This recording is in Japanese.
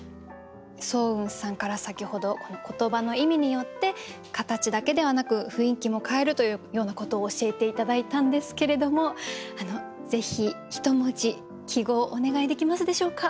双雲さんから先ほど言葉の意味によって形だけではなく雰囲気も変えるというようなことを教えて頂いたんですけれどもぜひ１文字揮毫お願いできますでしょうか。